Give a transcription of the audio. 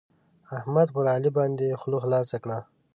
احمد پر علي باندې خوله خلاصه کړه.